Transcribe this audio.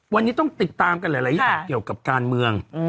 วันนี้ต้องติดตามกันหลายอย่างเกี่ยวกับการเมือง